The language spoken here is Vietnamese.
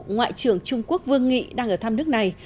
ngoại trưởng trung quốc vương nghị đang ở thăm nước này